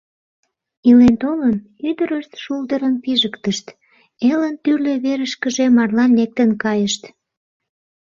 Илен-толын, ӱдырышт шулдырым пижыктышт, элын тӱрлӧ верышкыже марлан лектын кайышт.